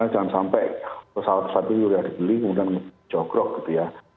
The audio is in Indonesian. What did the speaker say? jangan sampai pesawat pesawat ini sudah dibeli kemudian jogrok gitu ya